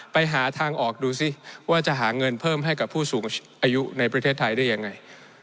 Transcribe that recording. ไปหาทางออกดูสิว่าจะหาเงินเพิ่มให้กับผู้สูงอายุในประเทศไทยได้ยังไง